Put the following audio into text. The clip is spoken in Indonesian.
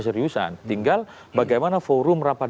seriusan tinggal bagaimana forum rapat